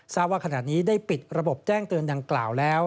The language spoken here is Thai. ว่าขณะนี้ได้ปิดระบบแจ้งเตือนดังกล่าวแล้ว